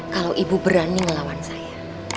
kalau ibu berani melawan saya